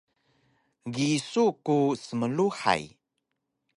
gisu ku smluhay